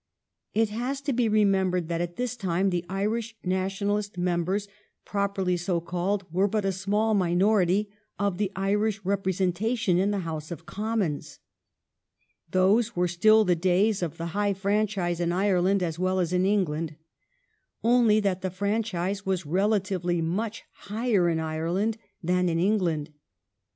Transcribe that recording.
It has to be remembered that at this time the Irish Nationalist members, properly so called, were but a small minority of the Irish representation in the House of Commons. Those were still the days of the high franchise in Ireland as well as in Eng land — only that the franchise was relatively much higher in Ireland than it was in England.